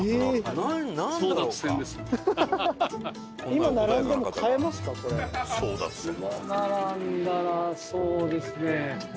今並んだらそうですね。